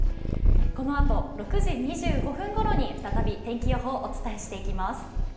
このあと、６時２５分ごろに再び天気予報お伝えしていきます。